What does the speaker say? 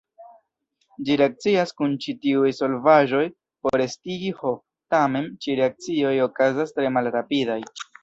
Ĝi reakcias kun ĉi-tiuj solvaĵoj por estigi H, tamen, ĉi-reakcioj okazas tre malrapidaj.